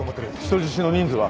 人質の人数は？